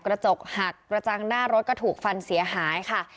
กระจกหักกระจังหน้ารถก็ถูกฟันเสียหายค่ะ